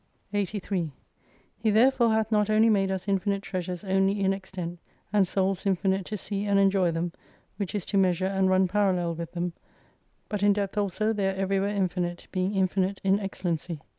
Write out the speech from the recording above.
83 He therefore hath not only made us infinite treasures only in extent : and souls infinite to see and enjoy them, which is to measure and run parallel with them : but in depth also they are everywhere infinite being infinite in excellency.